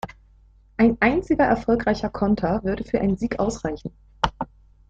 Ein einziger erfolgreicher Konter würde für einen Sieg ausreichen.